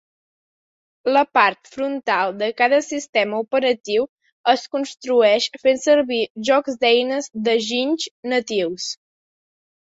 La part frontal de cada sistema operatiu es construeix fent servir jocs d'eines de ginys natius.